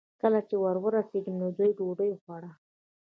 کله چې ور ورسېدم، نو دوی ډوډۍ خوړه.